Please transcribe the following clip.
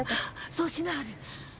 そうしなはれ。